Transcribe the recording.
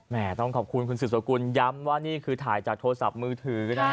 ต้องขอบคุณคุณสุดสกุลย้ำว่านี่คือถ่ายจากโทรศัพท์มือถือนะ